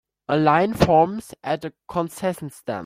A line forms at the concession stand.